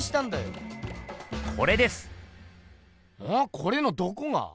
これのどこが？